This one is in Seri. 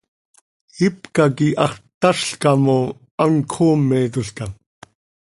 Ipca quih hax ttazlcam oo, hant cöxoometolca.